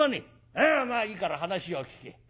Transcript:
「ああまあいいから話を聞け。